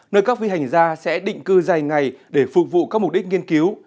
nơi các vi hành ra sẽ định cư dài ngày để phục vụ các mục đích nghiên cứu